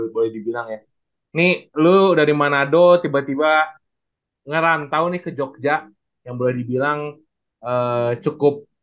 boleh dibilang ya ini lu dari manado tiba tiba ngerantau nih ke jogja yang boleh dibilang cukup